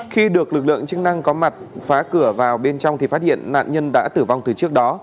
khi được lực lượng chức năng có mặt phá cửa vào bên trong thì phát hiện nạn nhân đã tử vong từ trước đó